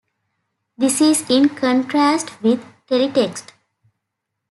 This is in contrast with teletext.